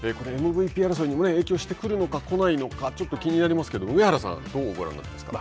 これＭＶＰ争いにも影響してくるのか来ないのかちょっと気になりますけど上原さん、どうご覧になりますか。